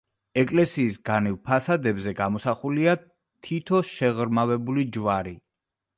ეკლესიის განივ ფასადებზე გამოსახულია თითო შეღრმავებული ჯვარი.